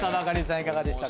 いかがでしたか？